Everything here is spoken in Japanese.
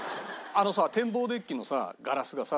あのさ展望デッキのガラスがさ